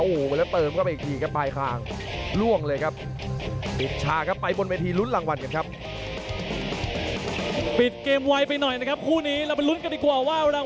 โอ้โหแล้วเติมเข้าไปอีกทีครับปลายขาง